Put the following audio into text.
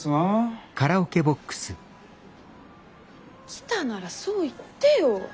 来たならそう言ってよ。